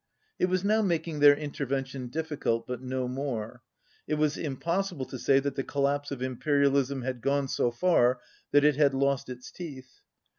It was now making their interven tion difficult, but no more. It was impossible to say that the collapse of Imperialism had gone so far that it had lost its teeth.